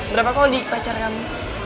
berapa kau di pacar kamu